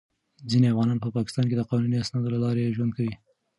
ځینې افغانان په پاکستان کې د قانوني اسنادو له لارې ژوند کوي.